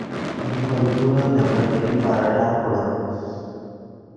نے خوئے گورن دے منڈیئی پراٹھہ خوڑیم